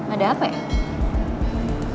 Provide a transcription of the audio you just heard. ada apa ya